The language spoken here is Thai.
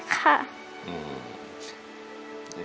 ค่ะ